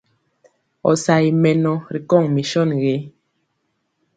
Ɔ sa ye mɛnɔ ri kɔŋ mison gé?